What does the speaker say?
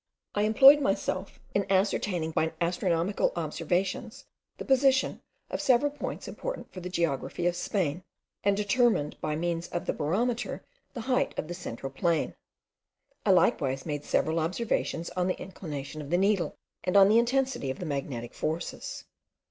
I employed myself in ascertaining by astronomical observations the position of several points important for the geography of Spain, and determined by means of the barometer the height of the central plain. I likewise made several observations on the inclination of the needle, and on the intensity of the magnetic forces.